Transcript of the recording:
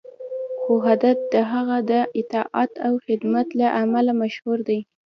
خو هدهد د هغه د اطاعت او خدمت له امله مشهور دی.